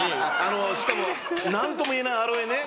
しかもなんともいえないアロエね。